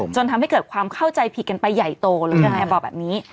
จนทำให้เกิดความเข้าใจผิดกันไปใหญ่โตแล้วก็แบบนี้